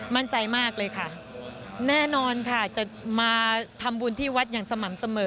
มั่นใจมากเลยค่ะแน่นอนค่ะจะมาทำบุญที่วัดอย่างสม่ำเสมอ